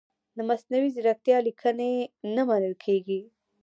د مصنوعي ځیرکتیا لیکنې نه منل کیږي.